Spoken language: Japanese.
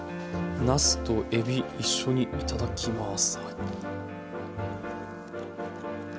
なすとえび一緒に頂きます。